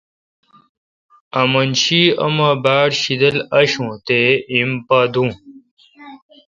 آمن شی اوما باڑ شیدل آشوں تے ہیم پا دوں